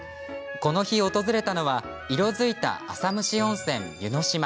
この日、訪れたのは色づいた浅虫温泉、湯の島。